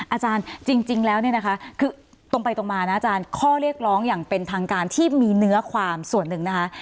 อาจารย์จริงแล้วเนี่ยนะคะคือตรงไปตรงมานะอาจารย์ข้อเรียกร้องอย่างเป็นทางการที่มีเนื้อความส่วนหนึ่งนะคะ